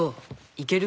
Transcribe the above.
いける？